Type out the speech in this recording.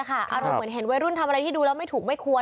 อารมณ์เหมือนเห็นวัยรุ่นทำอะไรที่ดูแล้วไม่ถูกไม่ควร